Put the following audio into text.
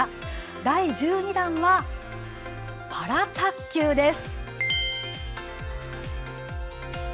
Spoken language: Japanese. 第１２弾はパラ卓球です。